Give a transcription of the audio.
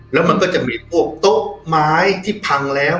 แล้วมันก็จะมีพวกโต๊ะไม้ที่พังแล้ว